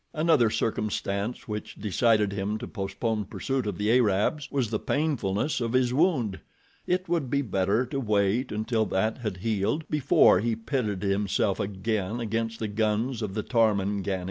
Another circumstance which decided him to postpone pursuit of the Arabs was the painfulness of his wound. It would be better to wait until that had healed before he pitted himself again against the guns of the Tarmangani.